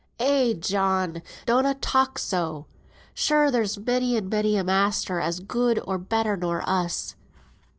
"Eh, John! donna talk so; sure there's many and many a master as good or better nor us."